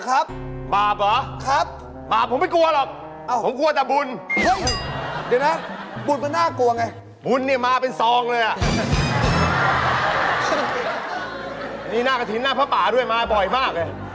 อย่าเอามีดให้มันนะเอามีดให้มันมันเสียบพวกเราแน่